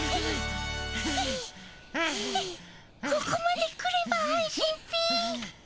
ここまで来れば安心っピ。